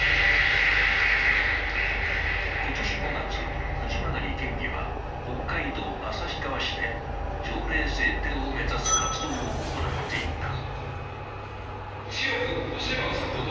今年５月、藤曲県議は北海道旭川市で条例制定を目指す活動を行っていた。